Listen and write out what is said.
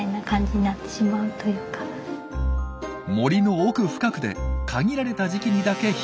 森の奥深くで限られた時期にだけ響く声。